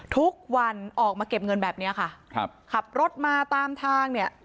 ทุกวันออกมาเก็บเงินแบบนี้ค่ะขับรถมาตามทาง